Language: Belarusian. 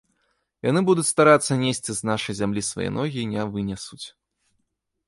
Яны будуць старацца несці з нашай зямлі свае ногі і не вынесуць.